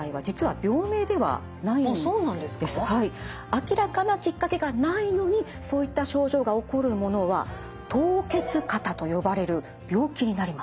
明らかなきっかけがないのにそういった症状が起こるものは凍結肩と呼ばれる病気になります。